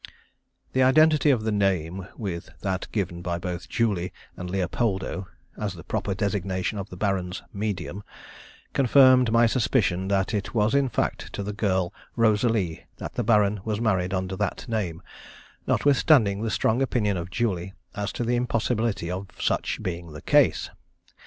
The identity of the name with that given by both Julie and Leopoldo, as the proper designation of the Baron's "medium," confirmed my suspicion that it was in fact to the girl Rosalie that the Baron was married under that name, notwithstanding the strong opinion of Julie as to the impossibility of such being the case.